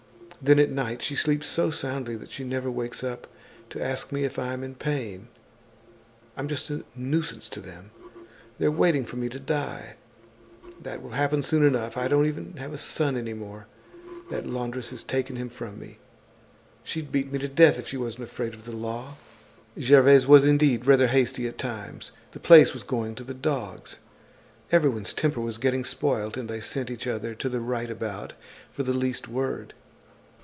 Then at night she sleeps so soundly that she never wakes up to ask me if I'm in pain. I'm just a nuisance to them. They're waiting for me to die. That will happen soon enough. I don't even have a son any more; that laundress has taken him from me. She'd beat me to death if she wasn't afraid of the law." Gervaise was indeed rather hasty at times. The place was going to the dogs, everyone's temper was getting spoilt and they sent each other to the right about for the least word.